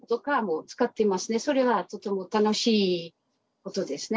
それはとても楽しいことですね。